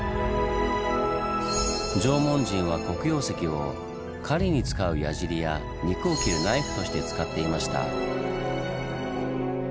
縄文人は黒曜石を狩りに使う矢じりや肉を切るナイフとして使っていました。